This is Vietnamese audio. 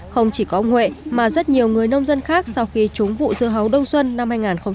không chỉ có ông huệ mà rất nhiều người nông dân khác sau khi trúng vụ dưa hấu đông xuân năm hai nghìn một mươi tám